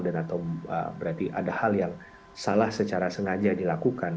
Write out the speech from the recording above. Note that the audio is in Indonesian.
dan atau berarti ada hal yang salah secara sengaja dilakukan